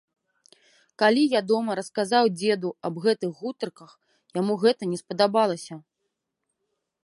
Калі я дома расказаў дзеду аб гэтых гутарках, яму гэта не спадабалася.